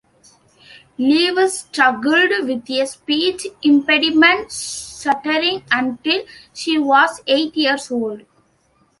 Lewis struggled with a speech impediment, stuttering until she was eight years old.